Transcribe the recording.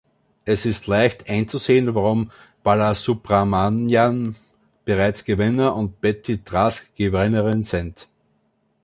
Es ist leicht einzusehen, warum Balasubramanyam bereits Gewinner und Betty Trask Gewinnerin sind.